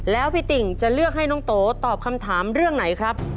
แล้วพี่ติ่งจะเลือกให้น้องโตตอบคำถามเรื่องไหนครับ